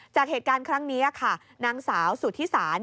จากเหตุการณ์ครั้งนี้ค่ะนางสาวสุธิสา